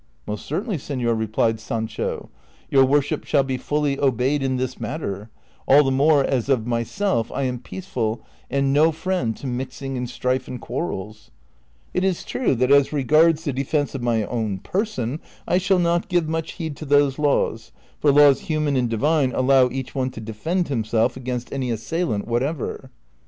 ''Most certainly, senor," replied 8ancho, "your worshi]) shall be fully obeyed in this matter; all the more as of myself I am peaceful and no friend to mixing in strife and quarrels : it is true that as regards the defence of my own person I shall not give much heed to those laws, for laws hiiman and divine allow each one to defend himself against any assailant whatever."